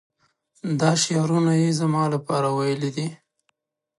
دا شعرونه یې زما لپاره ویلي دي.